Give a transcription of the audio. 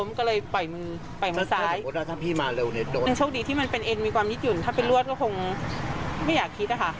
มันโชคดีที่มันเป็นเอ็นมีความนิดหยุ่นถ้าเป็นรวดก็คงไม่อยากคิดอ่ะค่ะ